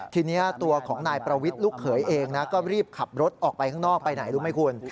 ทีนี้ตัวของนายประวิทย์ลูกเขยเองนะก็รีบขับรถออกไปข้างนอกไปไหนรู้ไหมคุณ